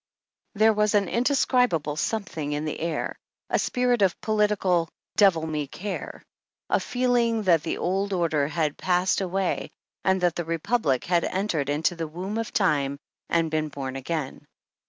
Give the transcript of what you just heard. There was an indes cribable something in the air, a spirit of political devil me care, a feeling that the old order had passed away and that the Republic had entered into the womb of Time and been born again.